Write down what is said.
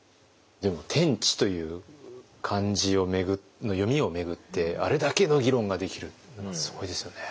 でも「天地」という漢字の読みを巡ってあれだけの議論ができるのはすごいですよね。